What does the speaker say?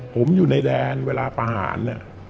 ผมอยู่ในแดนเวลาประหาร